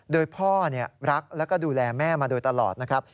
โดยพ่อรักแล้วก็ดูแลแม่มาโดยตลอดนะครับ